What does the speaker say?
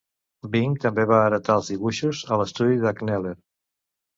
Byng també va heretar els dibuixos a l'estudi de Kneller.